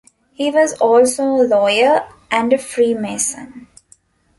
He was also a lawyer and a Freemason.